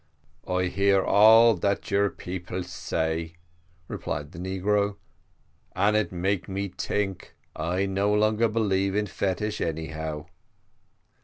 "I hear all that your people say," replied the negro, "and it make me tink I no longer believe in fetish, anyhow."